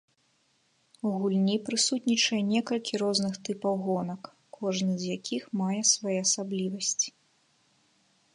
У гульні прысутнічае некалькі розных тыпаў гонак, кожны з якіх мае свае асаблівасці.